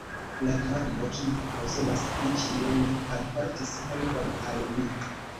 La dormo, kiu konsolas pri ĉio, ne alportis helpon al mi.